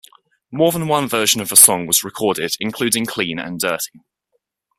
More than one version of the song was recorded including Clean and Dirty.